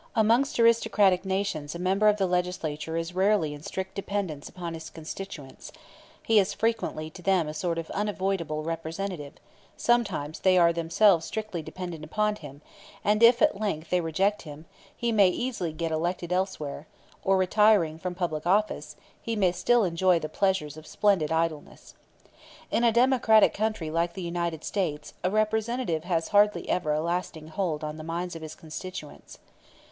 Amongst aristocratic nations a member of the legislature is rarely in strict dependence upon his constituents: he is frequently to them a sort of unavoidable representative; sometimes they are themselves strictly dependent upon him; and if at length they reject him, he may easily get elected elsewhere, or, retiring from public life, he may still enjoy the pleasures of splendid idleness. In a democratic country like the United States a Representative has hardly ever a lasting hold on the minds of his constituents.